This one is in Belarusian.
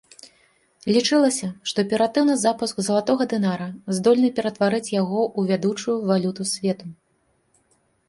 Лічылася, што аператыўны запуск залатога дынара здольны ператварыць яго ў вядучую валюту свету.